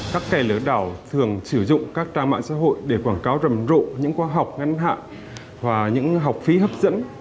các kẻ lừa đảo thường sử dụng các trang mạng xã hội để quảng cáo rầm rộ những khóa học ngắn hạn và những học phí hấp dẫn